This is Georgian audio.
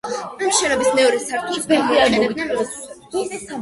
ამ შენობის მეორე სართულს გამოიყენებდნენ ლოცვისათვის.